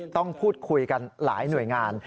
ต้องพูดคุยกันหลายหน่วยงาน